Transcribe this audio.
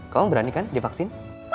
kamu berani kan divaksin